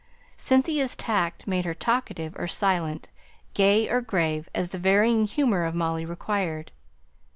Cynthia's tact made her talkative or silent, gay or grave, as the varying humour of Molly required.